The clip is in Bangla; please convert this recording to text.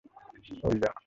ওহ, ইয়া।